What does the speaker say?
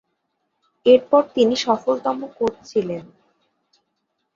এরপর তিনি সফলতম কোচ ছিলেন।